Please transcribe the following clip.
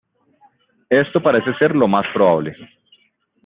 Esto parece ser lo más probable.